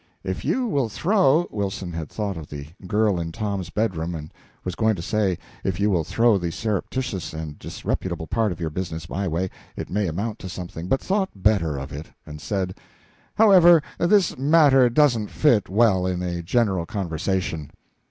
"If you will throw " Wilson had thought of the girl in Tom's bedroom, and was going to say, "If you will throw the surreptitious and disreputable part of your business my way, it may amount to something;" but thought better of it and said, "However, this matter doesn't fit well in a general conversation."